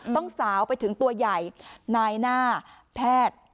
สาวไปถึงตัวใหญ่นายหน้าแพทย์